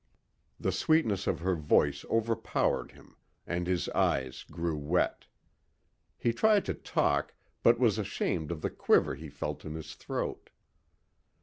The sweetness of her voice overpowered him and his eyes grew wet. He tried to talk but was ashamed of the quiver he felt in his throat.